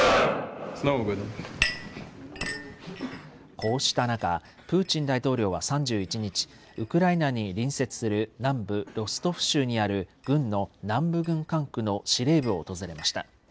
こうした中、プーチン大統領は３１日、ウクライナに隣接する南部ロストフ州にある軍の南部軍管区の司令部を訪れました。